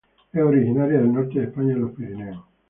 Es originaria del norte de España en los Pirineos.